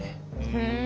ふん。